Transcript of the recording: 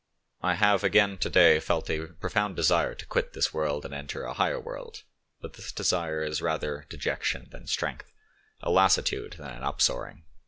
"I have again to day felt a profound desire to quit this world and enter a higher world; but this desire is rather dejection than strength, a lassitude than an upsoaring."